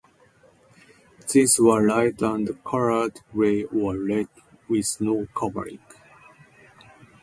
These were light and coloured grey or red with no covering.